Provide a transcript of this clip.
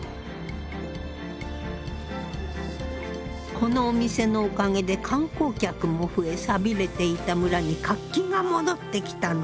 このお店のおかげで観光客も増え寂れていた村に活気が戻ってきたの。